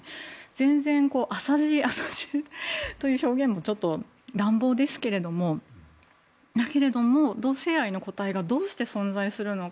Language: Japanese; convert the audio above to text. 全然、浅知恵浅知恵という表現も乱暴ですけどだけども、同性愛の個体がどうして存在するのか。